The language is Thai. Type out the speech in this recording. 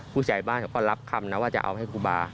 ผู้ใหญ่บ้านเขาก็รับคำนะว่าจะเอาให้ครูบา